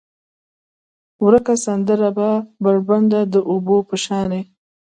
ورکه سندره به، بربنډه د اوبو په شانې،